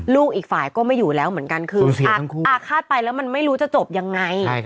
อีกฝ่ายก็ไม่อยู่แล้วเหมือนกันคืออาฆาตไปแล้วมันไม่รู้จะจบยังไง